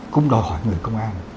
cũng đòi hỏi người công an